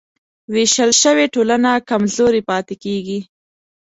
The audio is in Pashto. وېشل شوې ټولنه کمزورې پاتې کېږي.